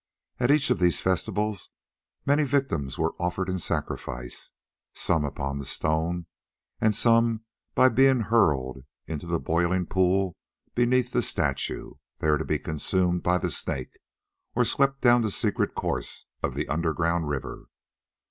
At each of these festivals many victims were offered in sacrifice, some upon the stone and some by being hurled into the boiling pool beneath the statue, there to be consumed by the Snake or swept down the secret course of the underground river.